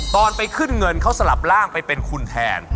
ตอนไปขึ้นเงินเขาสลับร่างไปเป็นคุณแทน